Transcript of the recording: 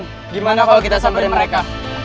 gimana kalau kita samperin mereka